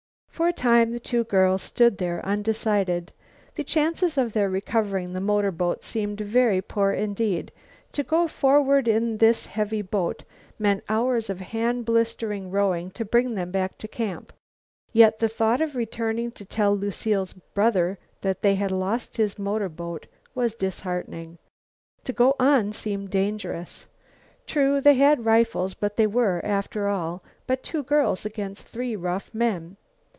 For a time the two girls stood there undecided. The chances of their recovering the motorboat seemed very poor indeed. To go forward in this heavy boat meant hours of hand blistering rowing to bring them back to camp. Yet the thought of returning to tell Lucile's brother that they had lost his motorboat was disheartening. To go on seemed dangerous. True, they had rifles but they were, after all, but two girls against three rough men.